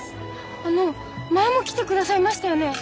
あの前も来てくださいましたよね？